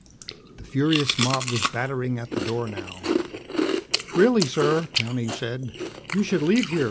The furious mob was battering at the door now. "Really, sir," Towney said, "you should leave here.